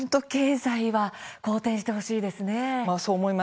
経済は好転してほしいですね。